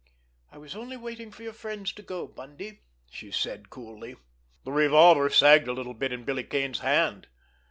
"I was only waiting for your friends to go, Bundy," she said coolly. The revolver sagged a little in Billy Kane's hand.